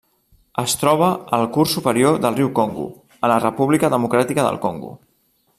Es troba al curs superior del riu Congo a la República Democràtica del Congo.